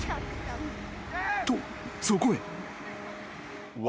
［とそこへ］